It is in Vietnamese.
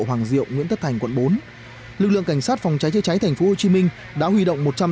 hoàng diệu nguyễn tất thành quận bốn lực lượng cảnh sát phòng cháy chứa cháy tp hcm đã huy động